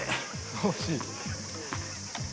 惜しい。